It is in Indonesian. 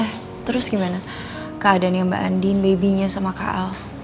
terus gimana keadaannya mbak andin baby nya sama kak al